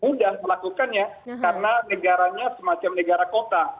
mudah melakukannya karena negaranya semacam negara kota